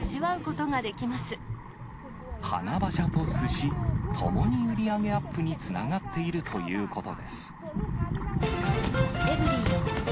ともに売り上げアップにつながっているということです。